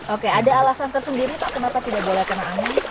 oke ada alasan tersendiri pak kenapa tidak boleh kena angin